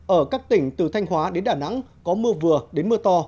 ở các tỉnh từ thanh hóa đến đà nẵng có mưa vừa đến mưa to